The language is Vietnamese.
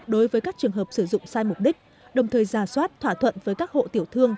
đối với các trường hợp sử dụng sai mục đích đồng thời giả soát thỏa thuận với các hộ tiểu thương